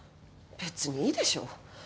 別にいいでしょ。